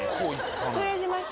失礼しました。